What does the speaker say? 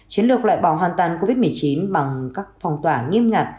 chiến lược loại bỏ hoàn toàn covid một mươi chín bằng các phòng tỏa nghiêm ngặt